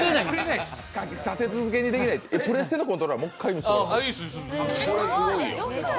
立て続けにできないプレステのコントローラー、もう１回見せてください。